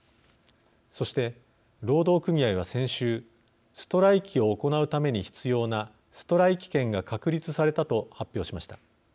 そして、労働組合は先週ストライキを行うために必要なストライキ権が確立されたと発表しました。